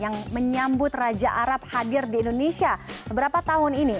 dan juga dpr yang menyambut raja arab hadir di indonesia beberapa tahun ini